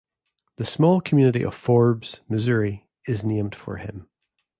The small community of Forbes, Missouri, is named for him.